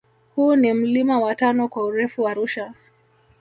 Huu ni mlima wa tano kwa urefu Arusha